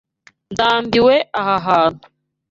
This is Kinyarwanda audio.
Ndambiwe aha hantu.